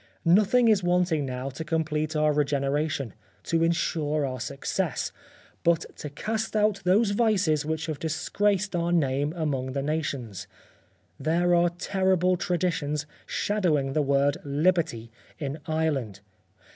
" Nothing is wanting now to complete our regeneration, to ensure our success, but to cast out those vices which have disgraced our name among the nations. There are terrible traditions shadowing the word Liberty in Ireland.